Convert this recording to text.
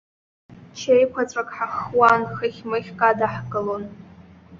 Чеиқәаҵәак ҳаххуан, хыхьмыхьк адаҳкылон.